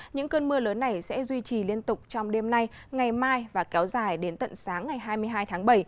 những cơn mưa lớn này sẽ duy trì liên tục trong đêm nay ngày mai và kéo dài đến tận sáng ngày hai mươi hai tháng bảy